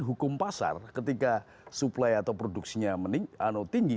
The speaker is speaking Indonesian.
hukum pasar ketika suplai atau produksinya tinggi